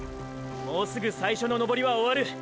もうすぐ最初の登りは終わる！！